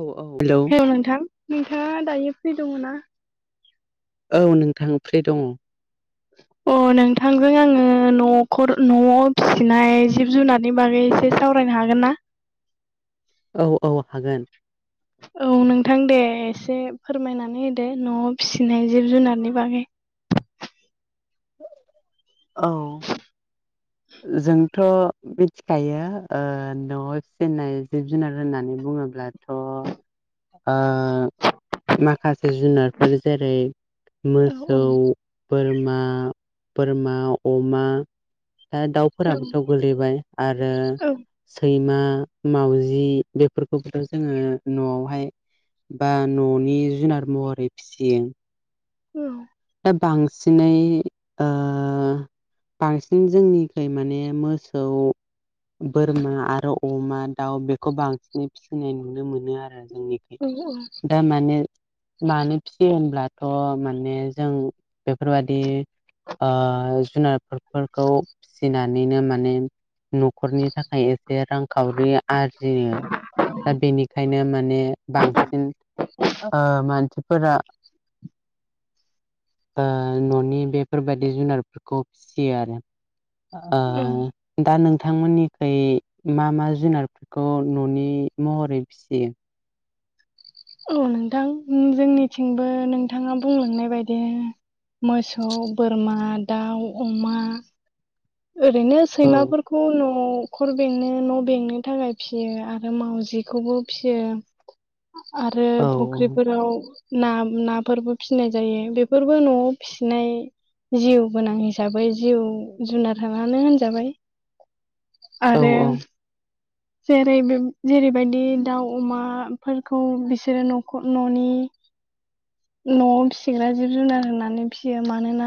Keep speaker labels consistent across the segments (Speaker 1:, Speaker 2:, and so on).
Speaker 1: औ औ hello
Speaker 2: hello नोंथां नोंथाङा दायो फ्रि दङ ना?
Speaker 1: औ नोंथां फ्रि दङ। [inaudible]
Speaker 2: अ नोंथांजों आङो न'खर न'आव फिसिनाय जिब जुनारनि बागै एसे सावरायनो हागोन ना?
Speaker 1: औ औ हागोन
Speaker 2: औ नोंथां दे एसे फोरमायनानै होदो न'आव फिसिनाय जिब जुनारनि बागै।
Speaker 1: औ जोंथ' मिथिखायो ओ न'आव फिसिनाय जिब जुनार होननानै बुङोब्ला थ' ओ माखासे जुनारफोर जेरै
Speaker 2: औ
Speaker 1: मोसौ बोरमा बोरमा अमा दा
Speaker 2: औ
Speaker 1: दाउफोराबोथ' गोलैबाय आरो सैमा मावजि बेफोरखौबोथ' जोङो न'आवहाय बा न'नि जुनार महरै फिसियो
Speaker 2: औ
Speaker 1: दा बांसिनै ओ बांसिन जोंनिखै माने मोसौ बोरमा आरो अमा दाउ बेखौ बांसिनै फिसिनाय नुनो मोनो आरो जोंनि
Speaker 2: [unintelligible]
Speaker 1: दा माने मानो फिसियो होनब्लाथ' माने जों बेफोरबादि ओ जुनारफोरखौ फिसिनानैनो माने न'खरनि थाखाय एसे रांखावरि आरजियो दा बेनिखायनो माने बांसिन मानसिफोरा न'नि बेफोरबायाददि जुनारफोरखौ फिसियो आरो ओ
Speaker 2: औ
Speaker 1: दा नोंथांमोननिखै मा मा जुनार खौ न'नि महरै फिसियो?
Speaker 2: औ नोंथां जोंनिथिंबो नोंथाङा बुंलांनाय बायदि मोसौ बोरमा दाउ अमा ओरैनो
Speaker 1: औ
Speaker 2: सैमाफोरखौ खौ न'खर बेंनो न' बेंनो थाखाय फियो आरो मावउजिखौबो फियो आरो
Speaker 1: औ
Speaker 2: फक्रि फोराव ना नाफोरबो फिसिनाय जायो बेफोरबो न'आव फिसिनाय जिउ गोनां हिसाबै जिउ जुनार आनो होनजाबाय
Speaker 1: औ
Speaker 2: आरो
Speaker 1: [inaudible]
Speaker 2: जेरै जेरैबायदि दाउ अमाफोरखौ बिसोरो न'खर न'नि
Speaker 1: [inaudible]
Speaker 2: न'आव फिसिग्रा जिब जुनार होननानै फिसियो मानोना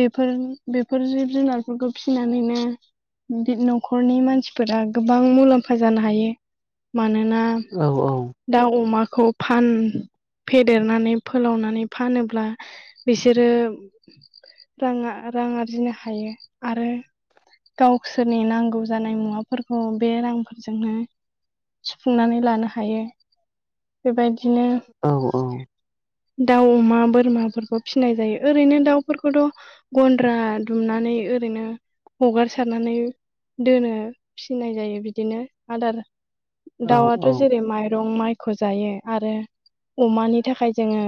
Speaker 2: बेफोर बेफोर जिब जुनार नफोरखौ फिसिनानैनो बि न'खरनि मानसिफोरा गोबां मुलाम्फा जानो हायो मानोना
Speaker 1: औ औ
Speaker 2: दा अमाखौ फान फेदेरनानै फोलावनानै फानोब्ला बिसोरो रां रां आरजिनो हायो आरो गावसोरनि नांगौ जानाय मुवाफोरखौ बे रांफोरजोंनो सुफुंनानै लानो हायो बेबायदिनो
Speaker 1: औ
Speaker 2: दाउ अमा बोरमाफोरखौ फिसिनाय जायो ओरैनो दाउफोरखौथ' गन्द्रा दुमनानै ओरैनो हगार सारनानै दोनो फिनाय जायो बिदिनो आदार
Speaker 1: औ
Speaker 2: दाउ जेरै माइरं माइखौ जायो आरो अमानि थाखाय जोङो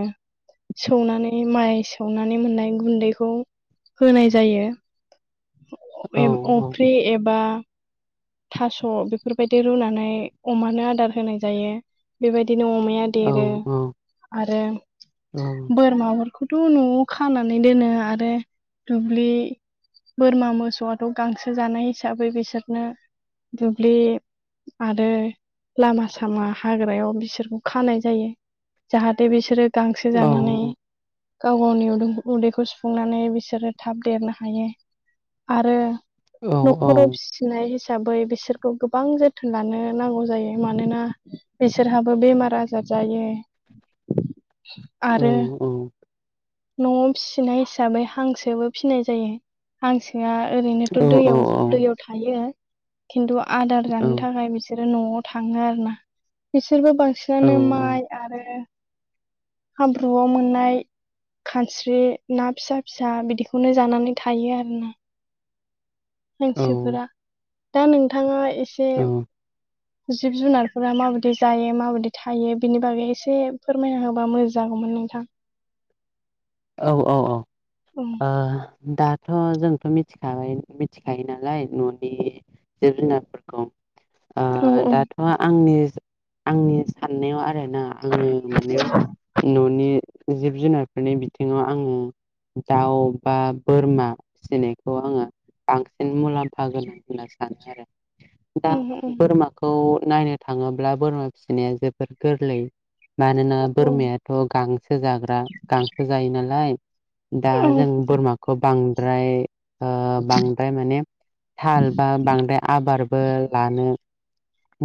Speaker 2: सौनानै माइ सौनानै मोननाय गुन्दैखौ होनाय जायो
Speaker 1: औ
Speaker 2: [unintelligible] अफ्रि एबा थास' बेफोरबायदि रुनानै अमानो आदार होनाय जायो बेबायदिनो अमाया
Speaker 1: औ
Speaker 2: देरो
Speaker 1: औ
Speaker 2: आरो बोरमाफोरखौथ' न'आव खानानै दोनो आरो दुब्लि बोरमा मोसौआथ' गांसो जानाय हिसाबै बिसोरनो दुब्लि आरो लामा सामा हाग्रायाव बिसोरखौ खानाय जायो जाहाथे बिसोरो गांसो
Speaker 1: औ
Speaker 2: जानानै गाव गावनि उदु-उदैखौ सुफुंनानै बिसोरो थाब देरनो हायो आरो
Speaker 1: औ
Speaker 2: न'खराव फिसिनाय हि साबै बिसोरखौ गोबां जोथोन लानो नांगौ जायो मानोना बिसोरहाबो बेमार आरि जाजायो आरो न'याव फिसिनाय हिसाबै हांसोबो फिनाय जायो। हांसोआ ओरैनोथ' दैयाव-दैयाव थायो। खिन्थु आदार जानो थाखाय बिसोरो न'आव थाङो आरो ना। बिसोरबो बांसिनानो माइ आरो हाब्रुआव मोननाय खानस्रि ना फिसा फिसा बिदिखौनो जानानै थायो आरो न। मानसिफोरा दा नोंथाङा एसे जिब जुनारफोरा माबायदि जायो माबायदि थायो बिनि बागै एसे फोरमायना होबा मोजां मोन नोंथां।
Speaker 1: औ औ औ।
Speaker 2: औ
Speaker 1: ओ दाथ' जोंथ' मिथिखाबाय मिथिखायो नालाय न'नि जिब जुनारफोरखौ
Speaker 2: ओं ओं
Speaker 1: दाथ' आंनि आंनि साननायाव आरो। ना आं माने न'नि जिब जुनारफोरनि बिथिङाव आं दाउ बा बोरमा फिसिनायखौ आङो बांसिन मुलाम्फा गोनां होनना सानो आरो। दा बोरमाखौ नायनो थाङोब्ला बोरमा फिसिनाया जोबोर गोरलै। मानोना
Speaker 2: औ
Speaker 1: बोरमायाथ' गांसो जाग्रा गां जायो नालाय दा जों बोरमाखौ बांद्राय बांद्राय माने थाल बा बांद्राय आबारबो लानो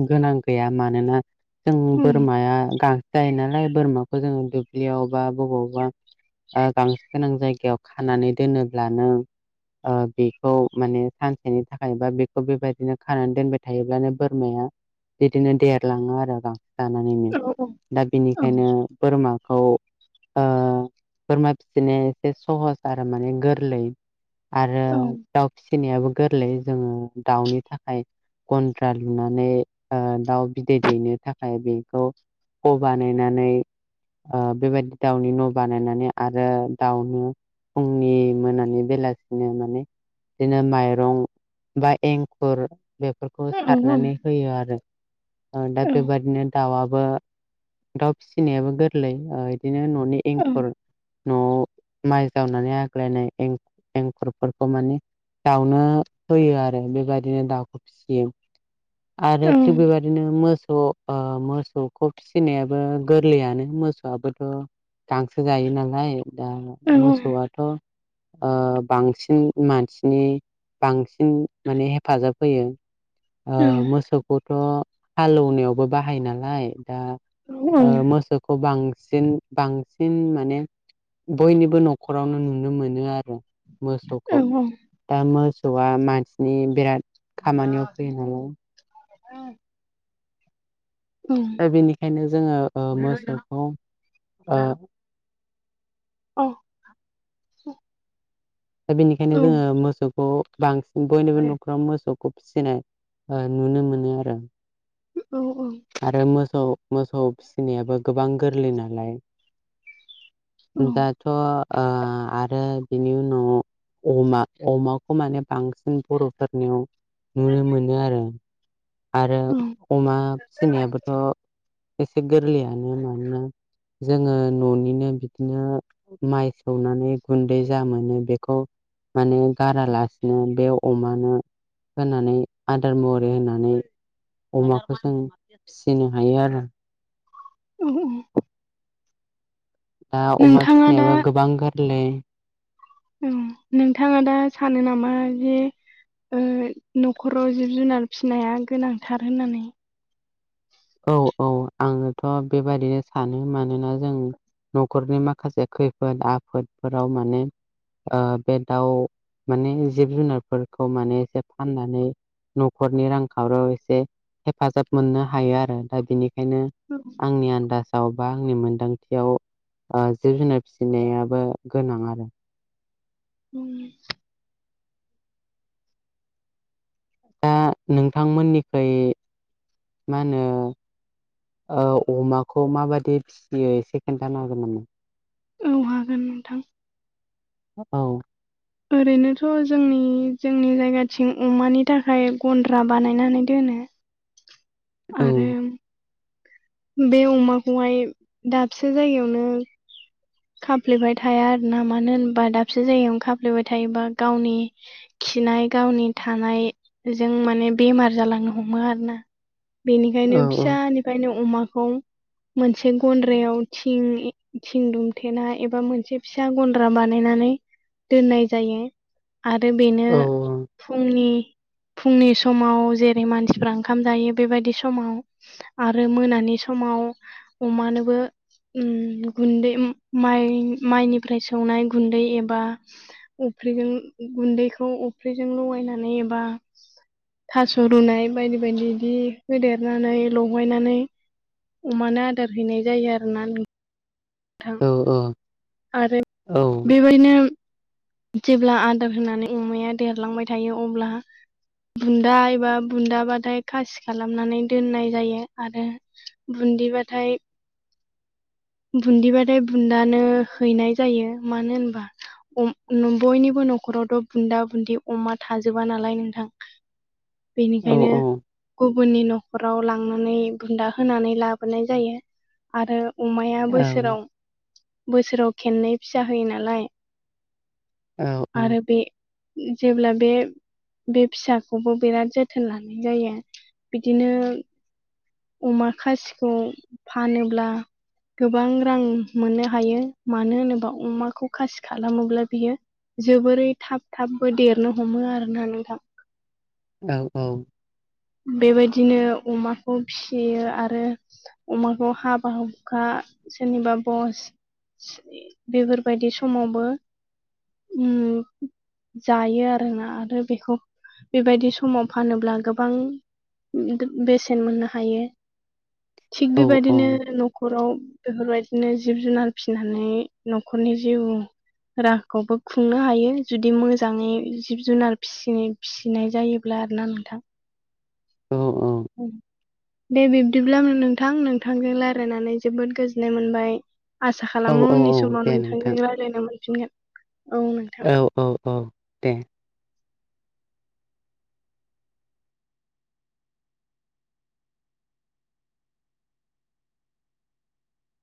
Speaker 1: गोनां गैया मानोना जों
Speaker 2: उम
Speaker 1: बोरमाया गां जायो नालाय बोरमाखौ जोङो दुब्लियाव बा बबावबा गांसो गोनां जायगायाव खानानै दोनोब्लानो बेखौ माने सानसेनि थाखाय बा बेखौ बेबायदिनो खानानै दोनबाय थायोब्लानो बोर बोरमाया बिदिनो देरलाङो आरो गांसो जानानैनो
Speaker 2: औ
Speaker 1: दा
Speaker 2: औ
Speaker 1: बिनिखायनो बोरमाखौ आ बोरमा फिसिनाया एसे सहस आरो माने गोरलै। आरो
Speaker 2: औ
Speaker 1: दाउ फिसिनायाबो गोरलै जोङो दाउनि थाखाय गन्द्रा लुनानै ओ दाउ बिदै दैनो थाखाय बेखौ ख' बानायनानै ओ बेबायदि दाउनि न' बानायनानै आरो दाउनो फुंनि मोनानि बेलासिनो माने बिदिनो माइरं बा एंखुर बेफोरखौ
Speaker 2: औ
Speaker 1: सारनानै होयो आरो ओ दा
Speaker 2: औ
Speaker 1: बेबादिनो दाउआबो दाउ फिसिनायाबो गोरलै ओ इदिनो न'नि
Speaker 2: औ
Speaker 1: एंखुर न'आव माइ जावनानै आग्लायनाय एं-एंखुरफोरखौ माने दाउनो होयो आरो बेबायदिनो दाउखौ फिसियो। आरो
Speaker 2: औ
Speaker 1: थिग बेबायदिनो मोसौ ओ मोसौखौ फिसिनायाबो गोरलैयानो मोसौआबोथ गांसो जायो नालाय दा मोसौआथ' ओ बांसिन मानसिनि बांसिन माने हेफाजाब होयो। ओ मोसौखौथ' हालौनायावबो बाहायो नालाय दा ओ मोसौ खौ बांसिन बांसिन माने बयनिबो न'खरावनो नुनो मोनो आरो। मोसौखौ
Speaker 2: औ
Speaker 1: दा मोसौआ मानसिनि बिराद खामानियाव फैयो नालाय
Speaker 2: [unintelligible]
Speaker 1: दा बेनिखायनो जोङो ओ मोसौखौ ओ
Speaker 2: अ
Speaker 1: [inaudible]
Speaker 2: औ
Speaker 1: दा बेनिखायनो जोङो मोसौखौ बांसिन बयनिबो न'खराव मोसौ खौ फिसिनाय ओ नुनो मोनो आरो।
Speaker 2: औ औ
Speaker 1: आरो मोसौ मोसौ फिसिनायाबो गोबां गोरलै नालाय दाथ' आ आरो बिनि उनाव अमा अमाखौ माने बांसिन बर'फोरनियाव नुनो मोनो आरो आरो
Speaker 2: औ
Speaker 1: अमा फिसिनायाबोथ' एसे गोरलैयानो मानोना जोङो न'निनो बिदिनो माइ सौनानै गुन्दै जा मोनो बेखौ माने गारालासिनो बे अमानो होनानै आदार महरै होनानै अमाखौ जों फिसिनो हायो आरो
Speaker 2: [unintelligible]
Speaker 1: दा अमा
Speaker 2: नोंथाङा दा
Speaker 1: फिसिनायाबो गोबां गोरलै।
Speaker 2: उम नोंथाङा दा सानो नामा जे ओ न'खराव जिब जुनार फिसिनाया गोनांथार होननानै
Speaker 1: औ औ आङोथ' बेबादिनो सानो मानोना जों न'खरनि माखासे खैफोद आफोदफोराव माने ओ बे दाउ माने जिब जुनारफोरखौ माने एसे फाननानै न'खरनि रांखावरियाव एसे हेफाजाब मोननो हायो आरो दा बिनिखायनो
Speaker 2: औ
Speaker 1: आंनि आन्दाजाव बा आंनि मोनदांथियाव ओ जिब जुनार फिसिनायाबो गोनां आरो।
Speaker 2: उम
Speaker 1: दा नोंथांमोननिखैइ मा होनो? ओ अमाखौ माबायदि फिसियो एसे खोन्थानो हागोन नामा?
Speaker 2: औ हागोन नोंथां
Speaker 1: औ
Speaker 2: ओरैनोथ' जोंनि- जोंनि जायगाथिं अमानि थाखाय गन्द्रा बानायनानै दोनो
Speaker 1: औ
Speaker 2: आरो बे अमाखौहाय दाबसे जायगायावनो खाफ्लेबाय थाया आरो ना मानो होनबा दाबसे जायगायावनो खाफ्लेबाय थायोबा गावनि खिनाय गावनि थानायजों माने बेमार जालांनो हमो आरो ना बेनिखायनो
Speaker 1: औ
Speaker 2: फिसानिफ्रायनो अमाखौ मोनसे गन्द्रायाव थिं - थिं दुम थेना एबा मोनसे फिसा गन्द्रा बानायनानै दोननाय जायो। आरो बेनो
Speaker 1: औ
Speaker 2: फुंनि फुंनि समाव जेरै मानसिफ्रा ओंखाम जायो बेबायदि समाव आरो मोनानि समाव अमानोबो गुन्दै माइ - माइनिफ्राय सौनाय गुन्दै एबा अफ्रिजों गुन्दैखौ अफ्रिजों लगायनानै एबा थास' रुनाय बायदि बायदि बिदि होदेरनानै लगायनानै अमानो आदार हैनाय जायो आरो ना नों थां
Speaker 1: औ
Speaker 2: आरो
Speaker 1: औ
Speaker 2: बेबायदिनो जेब्ला आदार होनानै अमाया देरलांबाय थायो अब्ला बुन्दा एबा बुन्दाबाथाय खासि खालामनानै दोननाय जायो आरो बुनदिबाथाय बुनदिबाथाय बुन्दानो हैनाय जायो मानो होनबा बयनिबो न'खरावथ' बुन्दा बुदि अमा थाजोबा नालाय नोंथां।
Speaker 1: औ
Speaker 2: बेनिखायनो गुबुननि न'खराव लांनानै बुन्दा होनानै लाबोनाय जायो। आरो अमाया बोसोराव बोसोराव खेननै फिसा होयो नालाय।
Speaker 1: औ।
Speaker 2: आरो बे जेब्ला बे बे फिसाखौबो बिराद जोथोन लानाय जायो। बिदिनो अमा खासिखौ फानोब्ला गोबां रां मोननो हायो मानो होनोबा अमाखौ खासि खालामोब्ला बियो जोबोरै थाब थाबबो देरनो हमो आरोना नोंथां।
Speaker 1: औ औ।
Speaker 2: बेबायदिनो अमाखौ फियो आरो अमाखौ हाबा हुखा सोरनिबा बस बेफोरबायदि समावबो उम जायो आरोना‌। आरो बेखौ बेबायदि समाव फानोब्ला गो बां बेसेन मोननो हायो। थिग
Speaker 1: औ
Speaker 2: बेबायदिनो न'खराव बेफोरबायदिनो जिब जुनार फिसिनानै न'खरनि जिउ राहाखौबो खुंनो हायो जुदि मोजाङै जिब जुनार फिसिनि फिसिनाय जायोब्ला आरोना नोंथां।
Speaker 1: औ औ।
Speaker 2: उम। दे बिब्दिब्ला नोंथां नोंथांजों रायजलायनानै जोबोद गोजोननाय मोनबाय। आसा
Speaker 1: औ
Speaker 2: खालामो
Speaker 1: औ
Speaker 2: उननि
Speaker 1: औ
Speaker 2: समाव
Speaker 1: दे
Speaker 2: नोंथांजों
Speaker 1: नोंथां
Speaker 2: रायज्लायनो मोनफिनगोन। औ नोंथां।
Speaker 1: औ औ औ दे।